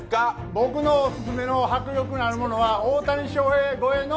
僕のオススメの迫力があるものは、大谷翔平超えの